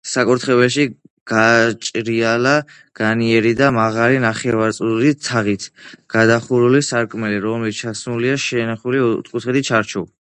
საკურთხეველში გაჭრილია განიერი და მაღალი, ნახევარწრიული თაღით გადახურული სარკმელი, რომელშიც ჩასმულია შემინული ოთკუთხა ჩარჩო.